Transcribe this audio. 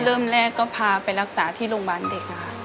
เริ่มแรกก็พาไปรักษาที่โรงพยาบาลเด็กค่ะ